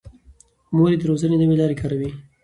مور یې د روزنې نوې لارې کاروي.